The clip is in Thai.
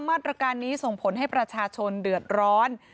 มาตรการนี้ส่งผลให้ประชาชนเดือดร้อน